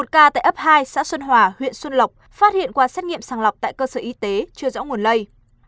một ca tại ấp hai xã xuân hòa huyện xuân lộc phát hiện qua xét nghiệm sàng lọc tại cơ sở y tế chưa rõ nguồn lây